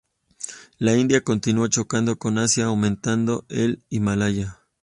La India continuó chocando con Asia, aumentando el Himalaya.